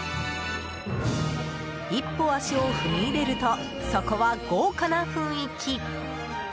一歩、足を踏み入れるとそこは豪華な雰囲気！